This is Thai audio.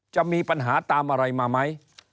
จะมีปัญหาตามอะไรมาไหม